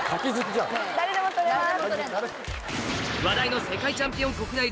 誰でも取れます。